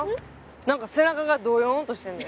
なんか背中がどよーんとしてんで。